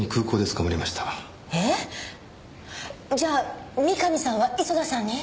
えっ？じゃあ三上さんは磯田さんに？